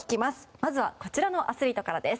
まずはこちらのアスリートからです。